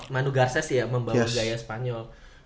manu garces ya membawa gaya spanyol